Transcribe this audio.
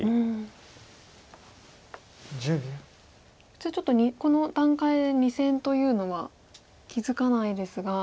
じゃあちょっとこの段階で２線というのは気付かないですが。